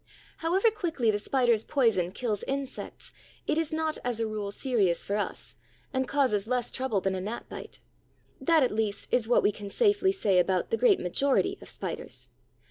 However quickly the Spider's poison kills insects, it is not as a rule serious for us and causes less trouble than a gnat bite. That, at least, is what we can safely say about the great majority of Spiders.